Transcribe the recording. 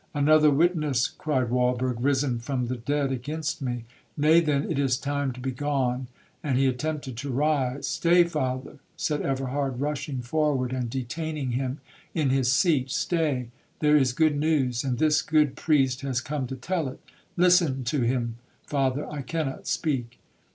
'Another witness,' cried Walberg, 'risen from the dead against me? Nay, then, it is time to be gone,'—and he attempted to rise. 'Stay, father,' said Everhard, rushing forward and detaining him in his seat; 'stay,—there is good news, and this good priest has come to tell it,—listen to him, father, I cannot speak.'